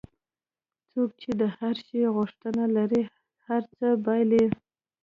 څوک چې د هر شي غوښتنه لري هر څه بایلي.